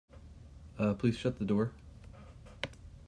Please shut the door.